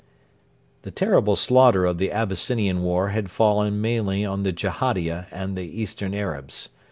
The terrible slaughter of the Abyssinian war had fallen mainly on the Jehadia and the eastern Arabs.